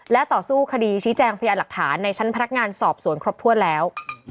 และต่อสู้คดีชี้แจงพยานหลักฐานในชั้นพนักงานสอบสวนครบถ้วนแล้ว